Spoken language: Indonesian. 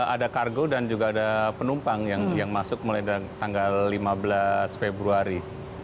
ada kargo dan juga ada penumpang yang masuk mulai dari tanggal lima belas februari